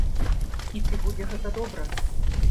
І ці будзе гэта добра?